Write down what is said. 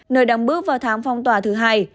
nơi đang bước vào tháng phong tỏa thứ hai